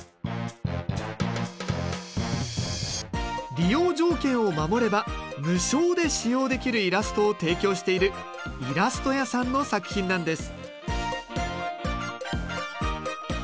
利用条件を守れば無償で使用できるイラストを提供しているいらすとやさんの作品なんです。